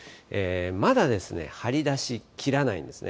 まだですね、張り出しきらないんですね。